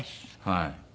はい。